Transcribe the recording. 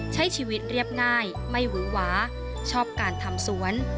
ใช้ชีวิตเรียบง่ายไม่หวือหวาชอบการทำสวน